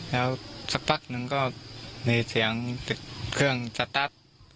แล้วสักพักนึงก็มีเสียงเครื่องสตั๊น